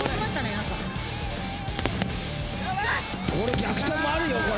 逆転もあるよこれ。